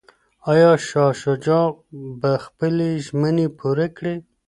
ایا شاه شجاع به خپلي ژمني پوره کړي؟